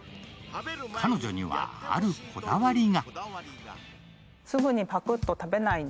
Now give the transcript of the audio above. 彼女には、あるこだわりが。